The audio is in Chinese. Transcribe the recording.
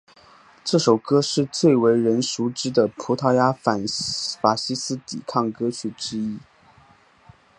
这首歌是最为人熟知的葡萄牙反法西斯抵抗歌曲之一。